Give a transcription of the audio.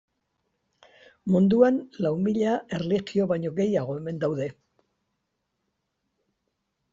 Munduan lau mila erlijio baino gehiago omen daude.